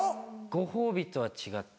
ご褒美とは違って。